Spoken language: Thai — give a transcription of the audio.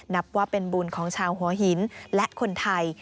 นับว่าเป็นบุญของชาวหัวหินและคนไทย